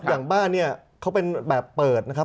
อย่างบ้านเนี่ยเขาเป็นแบบเปิดนะครับ